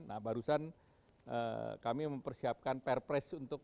nah barusan kami mempersiapkan perpres untuk